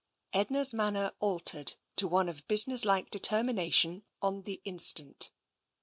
Edna's manner altered to one of businesslike deter mination on the instant.